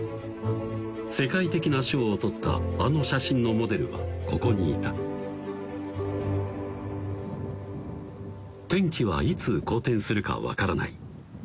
世界的な賞を取ったあの写真のモデルはここにいた天気はいつ好転するか分からない